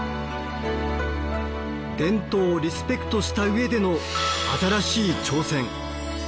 伝統をリスペクトした上での新しい挑戦。